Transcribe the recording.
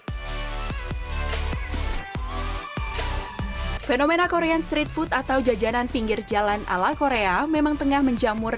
hai fenomena korean street food atau jajanan pinggir jalan ala korea memang tengah menjamur